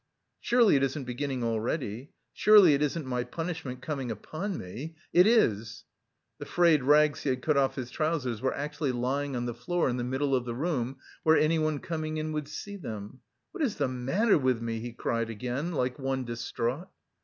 "Surely it isn't beginning already! Surely it isn't my punishment coming upon me? It is!" The frayed rags he had cut off his trousers were actually lying on the floor in the middle of the room, where anyone coming in would see them! "What is the matter with me!" he cried again, like one distraught.